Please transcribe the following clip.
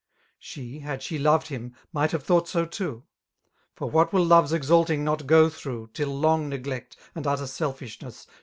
She, had she loved him, might have thought so too : For what wiJI k)ve's exalting not go tlirough. Till long neglect, and utter selfishness.